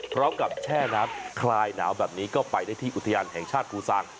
พร้อมกับแช่น้ำคลายหนาวแบบนี้ก็ไปได้ที่อุทิอันแห่งชาติภูตรซาง